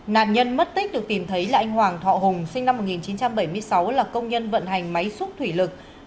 nạn nhân mất tích được tìm thấy là anh hoàng thọ hùng sinh năm một nghìn chín trăm bảy mươi sáu là công nhân vận hành máy xúc thủy lực